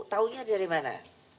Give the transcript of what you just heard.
taunya dari mana